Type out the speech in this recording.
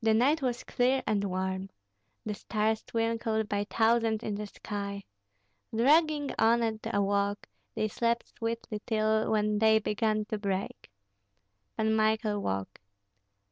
The night was clear and warm; the stars twinkled by thousands in the sky. Dragging on at a walk, they slept sweetly till, when day began to break. Pan Michael woke.